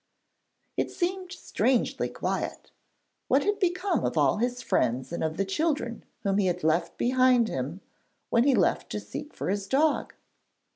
It seemed strangely quiet. What had become of all his friends and of the children whom he had left behind him when he left to seek for his dog?